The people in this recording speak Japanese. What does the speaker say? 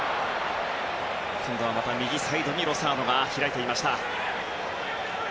今度は右サイドにロサーノがまた開いていました。